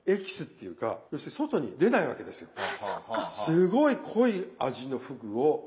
すごい濃い味のふぐを頂ける。